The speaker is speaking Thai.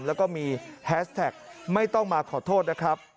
แล้วก็มีแฮสแท็กไม่ต้องมาขอโทษนะครับ